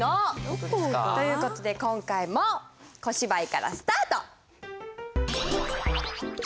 どこが？という事で今回も小芝居からスタート！